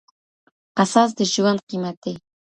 قصاص د ژوند قیمت دی.